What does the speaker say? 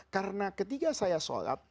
karena ketika saya sholat